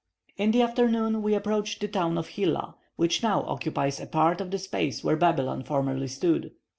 In the afternoon we approached the town of Hilla, which now occupies a part of the space where Babylon formerly stood.